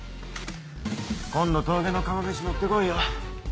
今度「峠の釜めし」持って来いよ。